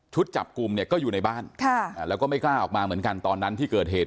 จับกลุ่มเนี่ยก็อยู่ในบ้านแล้วก็ไม่กล้าออกมาเหมือนกันตอนนั้นที่เกิดเหตุ